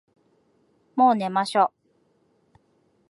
もう寝ましょ。